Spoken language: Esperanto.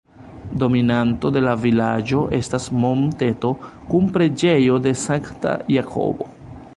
Dominanto de la vilaĝo estas monteto kun preĝejo de Sankta Jakobo.